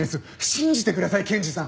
信じてください検事さん。